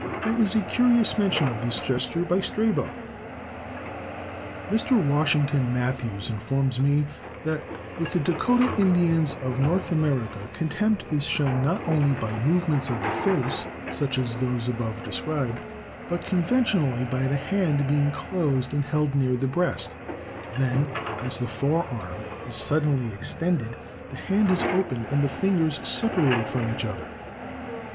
There is a curious mention of this gesture by Strabo." Mr. Washington Matthews informs me that, with the Dakota Indians of North America, contempt is shown not only by movements of the face, such as those above described, but "conventionally, by the hand being closed and held near the breast, then, as the forearm is suddenly extended, the hand is opened and the fingers separated from each other.